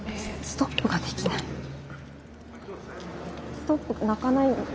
ストップ鳴かない。